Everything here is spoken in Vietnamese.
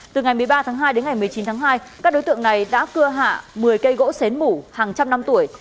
từ ngày một mươi ba tháng hai đến ngày một mươi chín tháng hai các đối tượng này đã cưa hạ một mươi cây gỗ xén mủ hàng trăm năm tuổi